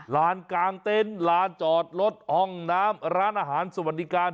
ร้านกลางเต้นร้านจอดรถอ้องน้ำร้านอาหารสวรรค์นิการ